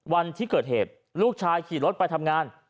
วันที่เกิดเหตุลูกชายขี่รถไปทำงาน